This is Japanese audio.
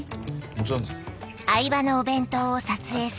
もちろんです。